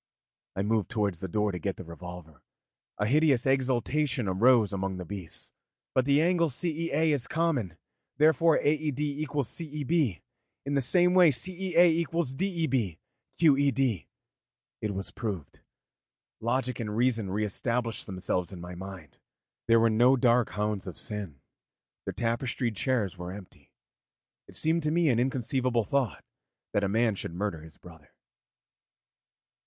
I moved towards the door to get the revolver; a hideous exultation arose among the beasts. 'But the angle CEA is common, therefore AED equals CEB. In the same way CEA equals DEB. QED.' It was proved. Logic and reason re established themselves in my mind, there were no dark hounds of sin, the tapestried chairs were empty. It seemed to me an inconceivable thought that a man should murder his brother.